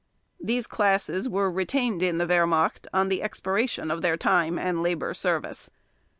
These classes were retained in the Wehrmacht on the expiration of their time and labor service.